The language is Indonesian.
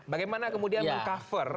bagaimana kemudian meng cover